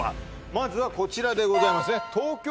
まずはこちらでございますね